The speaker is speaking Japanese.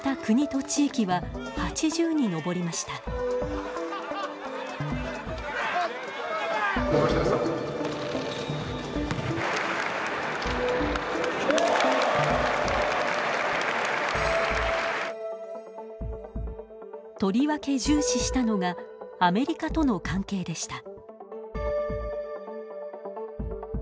とりわけ重視したのがアメリカとの関係でした。